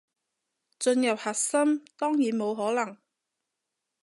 進入核心，當然冇可能